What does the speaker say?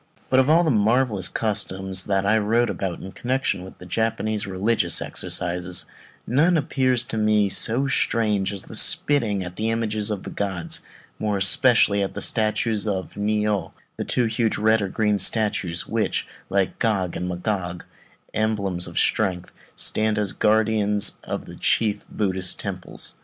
But of all the marvellous customs that I wot of in connection with Japanese religious exercises, none appears to me so strange as that of spitting at the images of the gods, more especially at the statues of the Ni ô, the two huge red or red and green statues which, like Gog and Magog, emblems of strength, stand as guardians of the chief Buddhist temples.